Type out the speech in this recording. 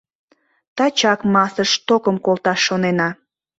Тачак массыш «токым» колташ шонена.